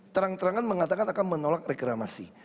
terang terangan mengatakan akan menolak reklamasi